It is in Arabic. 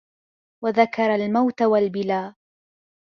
وَذَكَرَ الْمَوْتَ وَالْبِلَى